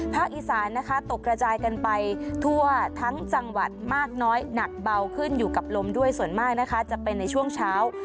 อีสานนะคะตกกระจายกันไปทั่วทั้งจังหวัดมากน้อยหนักเบาขึ้นอยู่กับลมด้วยส่วนมากนะคะจะเป็นในช่วงเช้า